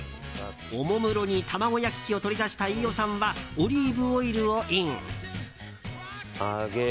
おもむろに卵焼き器を取り出した飯尾さんはオリーブオイルをイン。